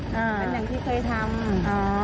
อย่างที่เคยทำ